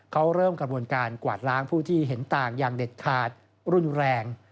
เขาเริ่มกระบวนการกวาดล้างผู้ที่เห็นต่างอย่างเด็ดขาดรุนแรง